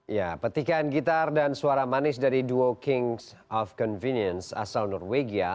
ya petikan gitar dan suara manis dari duo kings of convenience asal norwegia